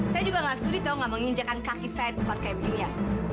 saya juga gak sudi tau gak menginjakan kaki saya di tempat kayak begini ya